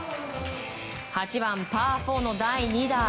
８番、パー４の第２打。